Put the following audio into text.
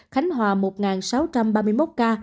khánh hòa một sáu trăm ba mươi một ca